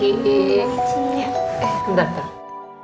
eh bentar bentar